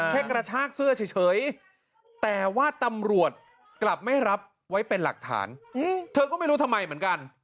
กระชากเสื้อเฉยแต่ว่าตำรวจกลับไม่รับไว้เป็นหลักฐานเธอก็ไม่รู้ทำไมเหมือนกัน